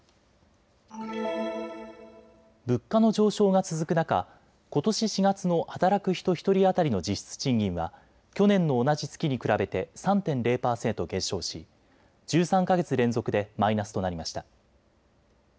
物価の上昇が続く中、ことし４月の働く人１人当たりの実質賃金は去年の同じ月に比べて３．０％減少し１３か月連続でマイナスとなりました。